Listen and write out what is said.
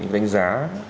những cái đánh giá